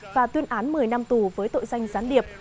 và tuyên án một mươi năm tù với tội danh gián điệp